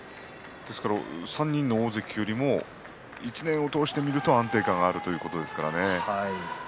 ですから３人の大関よりも１年を通して見ると安定感があるということですからね。